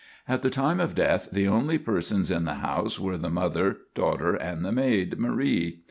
At the time of death the only persons in the house were the mother, daughter, and the maid, Marie.